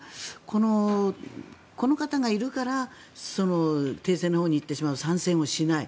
この方がいるから停戦のほうに行ってしまう参戦をしない。